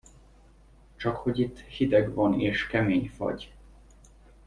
Csakhogy itt hideg van és kemény fagy!